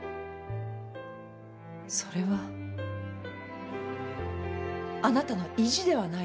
それはあなたの意地ではないですか？